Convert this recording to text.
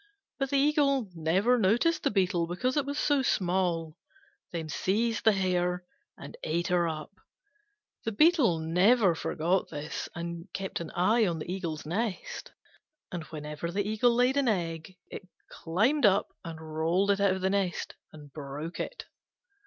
But the Eagle never noticed the Beetle because it was so small, seized the hare and ate her up. The Beetle never forgot this, and used to keep an eye on the Eagle's nest, and whenever the Eagle laid an egg it climbed up and rolled it out of the nest and broke it.